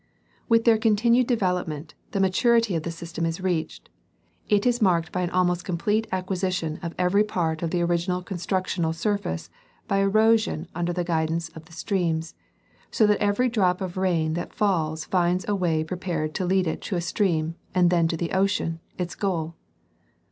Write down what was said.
With their continued development, the ma turity of the system is reached ; it is marked by an almost com plete acquisition of every part of the original constructional sur face by erosion under the guidance of the streams, so that every drop of rain that falls finds a. way prepared to lead it to a stream and then to the ocean, its goal.